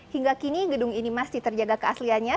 hingga kini gedung ini masih terjaga keasliannya